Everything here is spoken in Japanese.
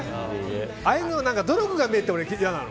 ああいうの努力が見えて俺、嫌なの。